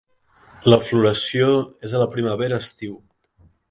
La floració és a la primavera-estiu.